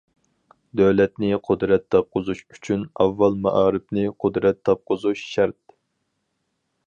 دۆلەتنى قۇدرەت تاپقۇزۇش ئۈچۈن ئاۋۋال مائارىپنى قۇدرەت تاپقۇزۇش شەرت.